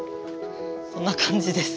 こんな感じです。